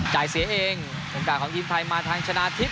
จายเสียเองบริงดาของอีทัยมาทางชนะทิป